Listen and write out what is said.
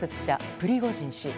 プリゴジン氏。